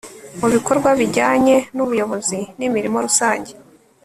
mu bikorwa bijyanye n'ubuyobozi n'imirimo rusange